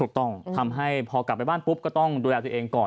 ต้องทำให้พอกลับไปบ้านปุ๊บก็ต้องดูแลตัวเองก่อน